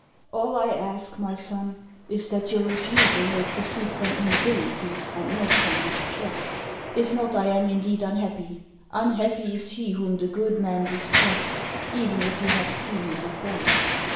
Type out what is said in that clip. " All I ask, my son, is that your refusal may proceed from inability, and not from distrust. If not, I am indeed unhappy ! Unhappy is he whom the good man distrusts, even if he have seen him but once